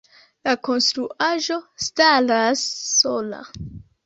La konstruaĵo staras sola.